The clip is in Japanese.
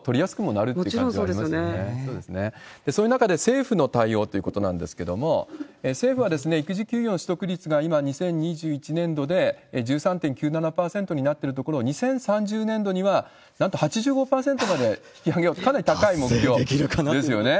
そういう中で、政府の対応ということなんですけれども、政府は育児休業の取得率が２０２１年度で１３．９７％になってるところを、２０３０年度には、なんと８５％まで引き上げようと、かなり高い目標ですよね。